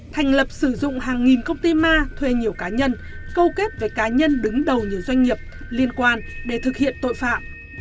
thành lập sử dụng hàng nghìn công ty ma thuê nhiều cá nhân câu kết với cá nhân đứng đầu nhiều doanh nghiệp liên quan để thực hiện tội phạm